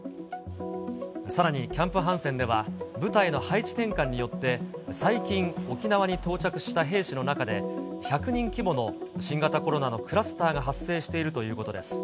さらにキャンプ・ハンセンでは、部隊の配置転換によって、最近、沖縄に到着した兵士の中で、１００人規模の新型コロナのクラスターが発生しているということ